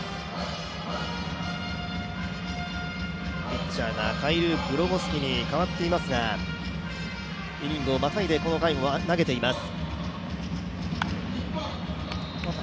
ピッチャーがグロゴスキに代わっていますが、イニングをまたいで、この回を投げています。